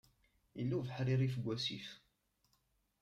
Yella ubeḥri rrif n wasif.